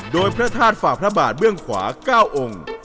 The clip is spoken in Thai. โดยพระธาตุฝ่าพระบาทเบื้องขวา๙องค์